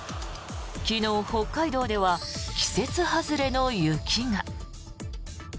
昨日、北海道では季節外れの雪が。